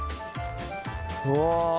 うわ。